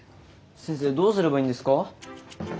先生どうすればいいんですか？